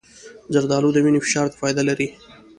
زردالو د وینې فشار ته فایده لري.